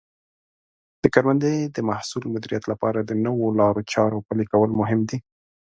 د کروندې د محصول مدیریت لپاره د نوو لارو چارو پلي کول مهم دي.